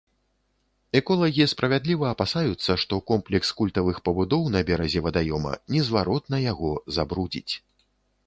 Эколагі справядліва апасаюцца, што комплекс культавых пабудоў на беразе вадаёма незваротна яго забрудзіць.